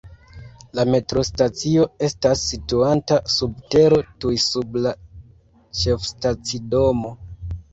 La metrostacio estas situanta sub tero, tuj sub la ĉefstacidomo.